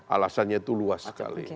alasannya itu luas sekali